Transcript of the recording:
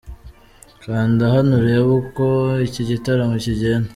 Kanda hano urebe uko iki gitaramo kigenda.